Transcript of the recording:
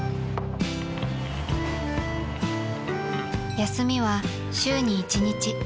［休みは週に１日］